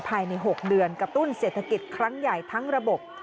ภายใน๖เดือนกระตุ้นเศรษฐกิจครั้งใหญ่ทั้งระบบ